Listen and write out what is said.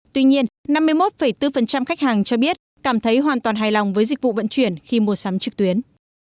tuy nhiên năm mươi một bốn khách hàng cho biết cảm thấy hoàn toàn hài lòng với dịch vụ vận chuyển khi mua sắm trực tuyến